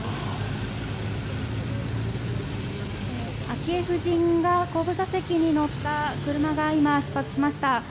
昭恵夫人が後部座席に乗った車が今、出発しました。